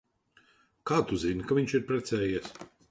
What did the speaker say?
Kā tu zini, ka viņš ir precējies?